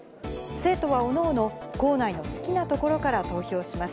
生徒はおのおの、校内の好きな所から投票します。